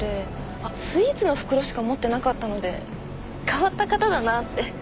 あっスイーツの袋しか持ってなかったので変わった方だなあって。